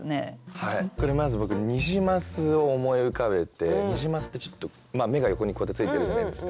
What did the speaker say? これまず僕ニジマスを思い浮かべてニジマスってちょっと目が横にこうやってついてるじゃないですか。